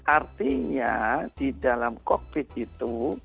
artinya di dalam kokpit itu